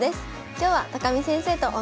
今日は見先生とお送りします。